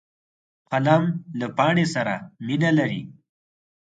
قلم له پاڼې سره مینه لري